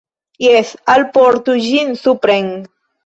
Jes, alportu ĝin supren.